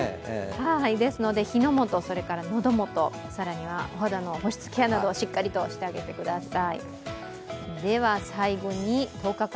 ですので、火の元、喉元更には、お肌の保湿ケアなど、しっかしてあげてください。